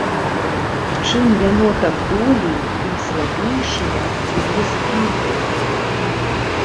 Чым яно так долей, тым слабейшыя абцугі страху.